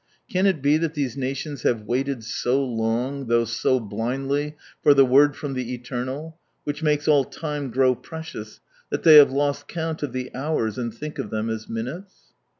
Can it be that these nations have waited so long, though so blindly, for the Word from the Eternal, which makes all time grow precious, that they have lost count of the hours, and think of them as minutes